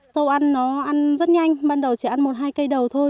rau ăn nó ăn rất nhanh ban đầu chỉ ăn một hai cây đầu thôi